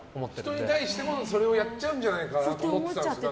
人に対してもそれをやっちゃうんじゃないかと思ってたけど。